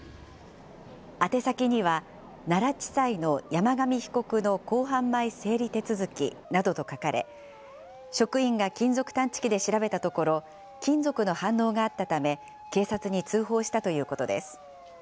宛先には奈良地裁の山上被告の公判前整理手続きなどと書かれ、職員が金属探知機で調べたところ、金属の反応があったため、警察に通報したということです。